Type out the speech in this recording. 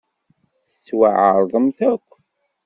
Tettwaɛeṛḍemt akk.